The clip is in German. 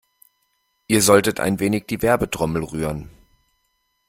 Ihr solltet ein wenig die Werbetrommel rühren.